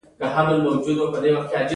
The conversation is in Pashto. خو دا ټولې لیکنې له تېر وخت سره تړاو لري.